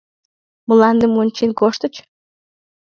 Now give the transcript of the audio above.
— Мландым ончен коштыч?